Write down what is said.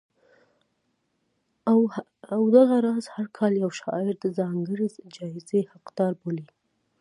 او دغه راز هر کال یو شاعر د ځانګړې جایزې حقدار بولي